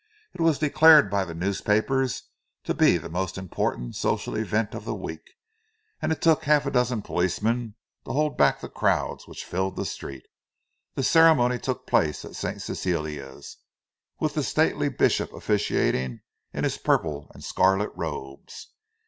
It was declared by the newspapers to be the most "important" social event of the week; and it took half a dozen policemen to hold back the crowds which filled the street. The ceremony took place at St. Cecilia's, with the stately bishop officiating, in his purple and scarlet robes.